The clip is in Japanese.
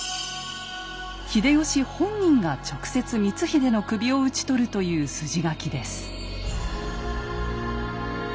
秀吉本人が直接光秀の首を討ち取るという筋書きです。